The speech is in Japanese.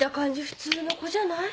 普通の子じゃない。